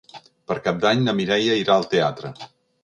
Per Cap d'Any na Mireia irà al teatre.